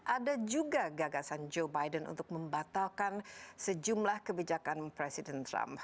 ada juga gagasan joe biden untuk membatalkan sejumlah kebijakan presiden trump